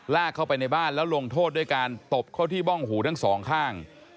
เข้าไปในบ้านแล้วลงโทษด้วยการตบเข้าที่บ้องหูทั้งสองข้าง